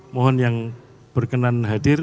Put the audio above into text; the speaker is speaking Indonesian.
mohon yang berkenan hadir